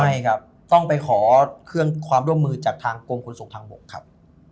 ไม่ครับต้องไปขอความร่วมมือจากทางกรงคุณศูนย์ทางบกครับ